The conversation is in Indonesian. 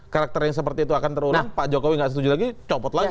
karakter yang seperti itu akan terulang pak jokowi nggak setuju lagi copot lagi